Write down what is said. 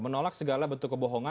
menolak segala bentuk penyerangan